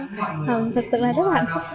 thật sự là rất là hạnh phúc